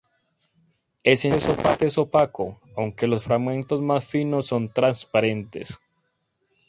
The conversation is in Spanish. Esencialmente es opaco, aunque los fragmentos más finos son transparentes.